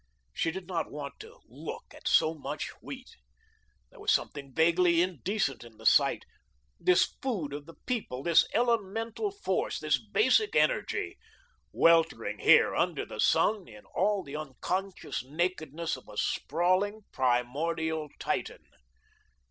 She did not want to look at so much wheat. There was something vaguely indecent in the sight, this food of the people, this elemental force, this basic energy, weltering here under the sun in all the unconscious nakedness of a sprawling, primordial Titan.